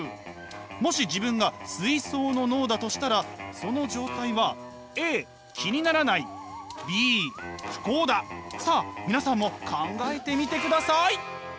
もし自分が水槽の脳だとしたらその状態はさあ皆さんも考えてみてください。